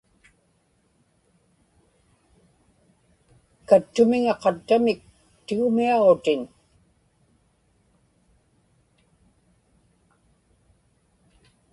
kattumiŋa qattamik tigumiaġutin...